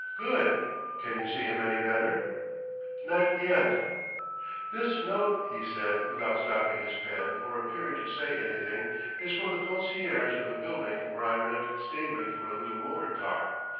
"Good. Can you see him any better?" "Not yet...." "This note," he said, without stopping his pen or appearing to say anything "is for the concierge of a building where I rent stabling for a little motor car.